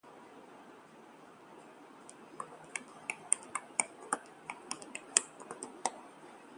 मैं बस वही करती हूँ जो मैं करना चाहती हूँ।